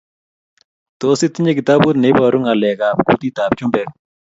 Tos, itinye kitabut neibaru ngaleek kab kutitab chumbek?